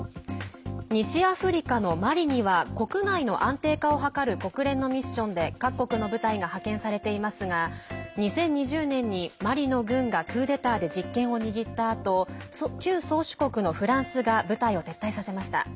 西アフリカのマリには国内の安定化を図る国連のミッションで各国の部隊が派遣されていますが２０２０年にマリの軍がクーデターで実権を握ったあと旧宗主国のフランスが部隊を撤退させました。